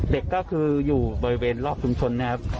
เด็กอยู่บริเวณรอบชุมชน